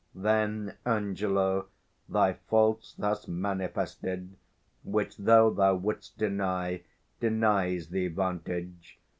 Then, Angelo, thy fault's thus manifested; 410 Which, though thou wouldst deny, denies thee vantage.